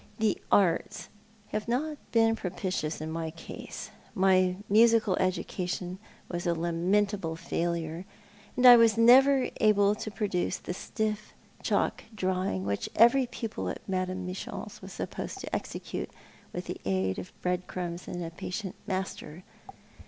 The Arts have not been propitious in my case. My musiotil education was a lamentable failure ; and I was never able even to produce the stiff chalk drawing which every pupil at Madame M.'s was supposed to execute, with the aid of bread crumbs and a patient master.